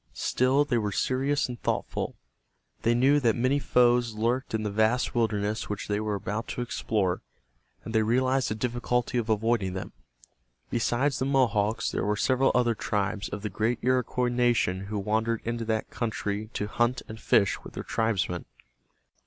Still they were serious and thoughtful. They knew that many foes lurked in the vast wilderness which they were about to explore, and they realized the difficulty of avoiding them. Besides the Mohawks there were several other tribes of the great Iroquois nation who wandered into that country to hunt and fish with their tribesmen.